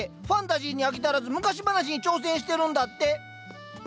ファンタジーに飽き足らず昔話に挑戦してるんだって！